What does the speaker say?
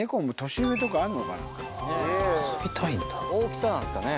大きさなんですかね。